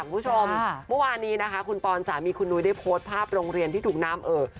เมื่อวานนี้นะคะคุณปอนสามีคุณนุ้ยได้โพสต์ภาพโรงเรียนที่ถูกน้ำเอ่อ